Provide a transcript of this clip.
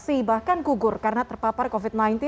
ikut reinfeksi bahkan gugur karena terpapar covid sembilan belas